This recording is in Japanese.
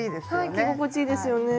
はい着心地いいですよね。